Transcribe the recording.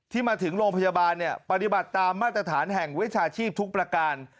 มาถึงโรงพยาบาลปฏิบัติตามมาตรฐานแห่งวิชาชีพทุกประการ